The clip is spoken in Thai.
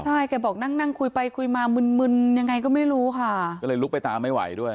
ใช่แกบอกนั่งนั่งคุยไปคุยมามึนมึนยังไงก็ไม่รู้ค่ะก็เลยลุกไปตามไม่ไหวด้วย